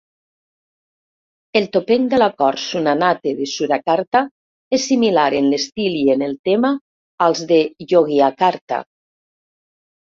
El topeng de la cort Sunanate de Surakarta és similar en l'estil i en el tema als de Yogyakarta.